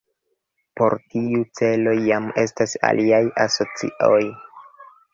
Por tiu celo jam estas aliaj asocioj.